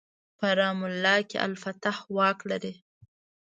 په رام الله کې الفتح واک لري.